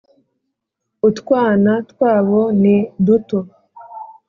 utwana twabo ni duto